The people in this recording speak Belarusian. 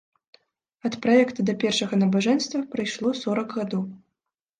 Ад праекта да першага набажэнства прайшло сорак гадоў.